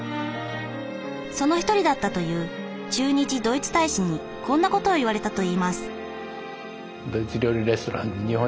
その一人だったという駐日ドイツ大使にこんなことを言われたといいます。